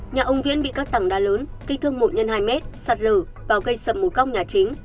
nhà ông viến bị các tẳng đá lớn kích thương một x hai m sạt lở vào gây sập một góc nhà chính